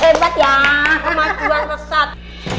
lagi sempet ya kemajuan resah